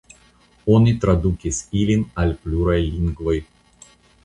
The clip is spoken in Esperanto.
Oni tradukis ilin al pluraj lingvoj.